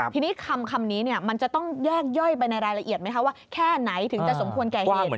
ทีนี้คำนี้มันจะต้องแยกย่อยไปในรายละเอียดไหมคะว่าแค่ไหนถึงจะสมควรแก่เหตุ